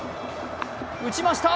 打ちました！